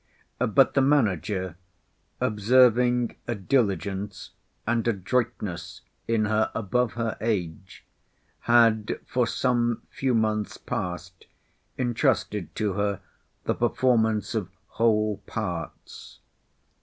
But the manager, observing a diligence and adroitness in her above her age, had for some few months past intrusted to her the performance of whole parts.